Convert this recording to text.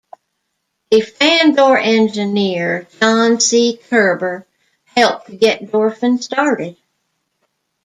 A Fandor engineer, John C. Koerber, helped to get Dorfan started.